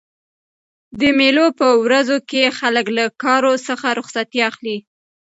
د مېلو په ورځو کښي خلک له کارو څخه رخصتي اخلي.